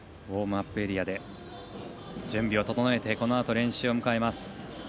ウォームアップエリアで準備を整えてこのあと練習を迎えます。